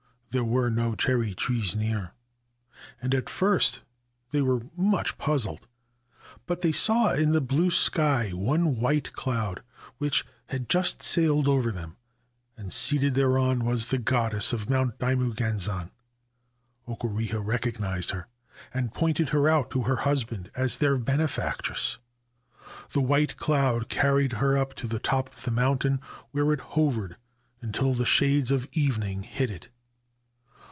There were no cherry trees near, and at first they were much puzzled ; but they saw in the blue sky one white cloud which had just sailed over them, and seated thereon was the Goddess of Mount Daimugenzan. Okureha recognised her, and pointed her out to her husband as their benefactress. The white cloud carried her up to the top of the moun tain, where it hovered until the shades of evening hid it.